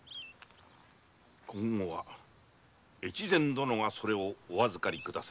今後は越前殿がそれをお預かりくだされ。